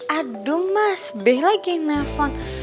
aduh mas beh lagi nelfon